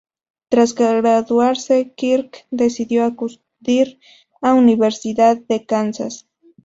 Tras graduarse Kirk decidió acudir a Universidad de Kansas.